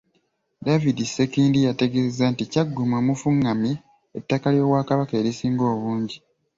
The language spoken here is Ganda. David Sekindi yategeezezza nti Kyaggwe mwe mufungamye ettaka ly'Obwakabaka erisinga obungi.